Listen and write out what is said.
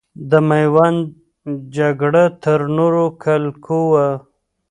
د میوند جګړه تر نورو کلکو وه.